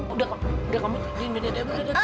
udah kamu tidur